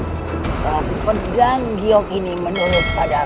pada pedang giok ini menurut pada atu